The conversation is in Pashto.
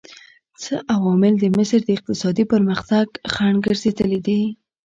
څه عوامل د مصر د اقتصادي پرمختګ خنډ ګرځېدلي دي؟